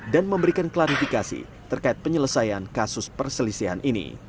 dan memberikan klarifikasi terkait penyelesaian kasus perselisihan ini